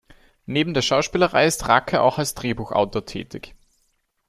Neben der Schauspielerei ist Raacke auch als Drehbuchautor tätig.